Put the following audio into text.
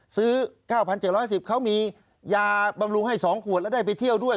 ซื้อ๙๗๑๐เขามียาบำรุงให้๒ขวดแล้วได้ไปเที่ยวด้วย